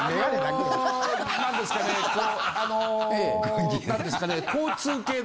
あの何ですかね。